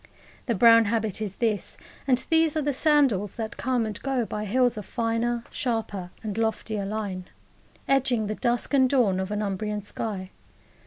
The brown habit is this, and these are the sandals, that come and go by hills of finer, sharper, and loftier line, edging the dusk and dawn of an Umbrian sky.